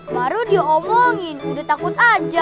baru diomongin udah takut aja